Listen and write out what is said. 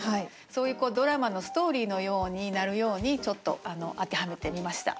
そういうドラマのストーリーのようになるようにちょっと当てはめてみました。